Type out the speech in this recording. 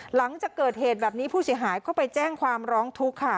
หลังจากเกิดเหตุแบบนี้ผู้เสียหายก็ไปแจ้งความร้องทุกข์ค่ะ